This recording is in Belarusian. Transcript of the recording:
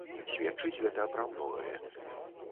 Сведчыць гэта пра многае.